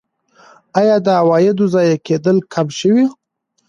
آیا د عوایدو ضایع کیدل کم شوي؟